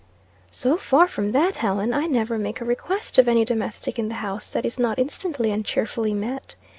"So far from that, Helen, I never make a request of any domestic in the house, that is not instantly and cheerfully met.